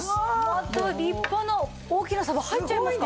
また立派な大きなサバ入っちゃいますか。